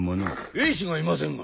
衛士がいませんが。